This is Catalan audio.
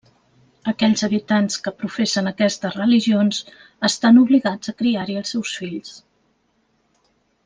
Aquells habitants que professen aquestes religions estan obligats a criar-hi els seus fills.